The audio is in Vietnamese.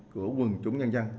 của quân chủ nhân dân